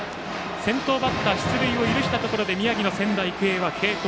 先頭バッター出塁を許したところで宮城の仙台育英は継投。